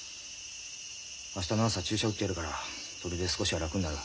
明日の朝注射うってやるからそれで少しは楽になる。